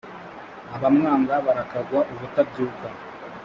abamwanga barakagwa ubutabyuka.